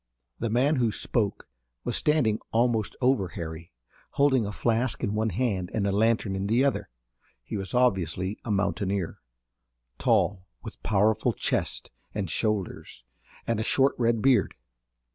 The man who spoke was standing almost over Harry, holding a flask in one hand and a lantern in the other. He was obviously a mountaineer, tall, with powerful chest and shoulders, and a short red beard.